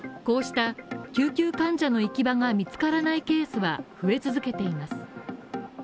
こうした救急患者の行き場が見つからないケースは増え続けています。